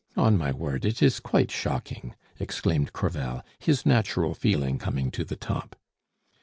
On my word, it is quite shocking!" exclaimed Crevel, his natural feeling coming to the top.